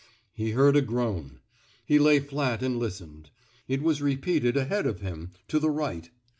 He heard a groan. He lay flat and listened. It was repeated ahead of him, to the right.